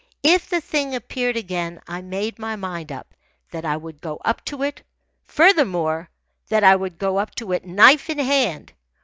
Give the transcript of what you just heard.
If the thing appeared again, I made my mind up that I would go up to it furthermore, that I would go up to it knife in hand.